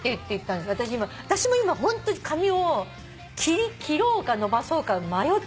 私も今ホントに髪を切ろうか伸ばそうか迷ってる最中でして。